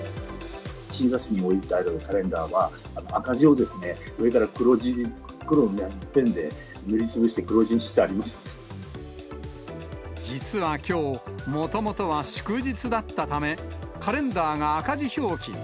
診察室に置いてあるカレンダーは、赤字を上から黒のペンで塗りつぶして、実はきょう、もともとは祝日だったため、カレンダーが赤字表記に。